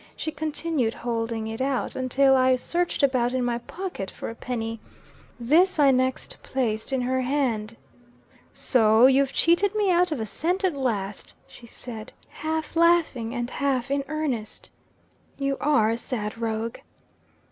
She continued holding it out, until I searched about in ny pocket for a penny. This I next placed in her hand. 'So you've cheated me out of a cent at last,' she said, half laughing and half in earnest; 'you are a sad rogue.'